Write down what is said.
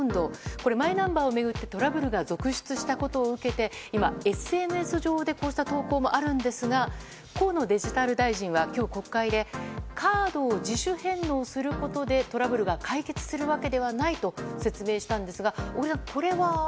これ、マイナンバーを巡ってトラブルが続出したことを受けて今、ＳＮＳ上でこうした投稿もあるんですが河野デジタル大臣は今日、国会でカードを自主返納することでトラブルが解決するわけではないと説明したんですが小栗さん